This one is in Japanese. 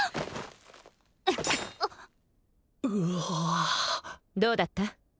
うわあどうだった？